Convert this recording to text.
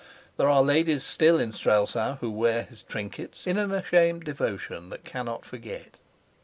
There are ladies still in Strelsau who wear his trinkets in an ashamed devotion that cannot forget.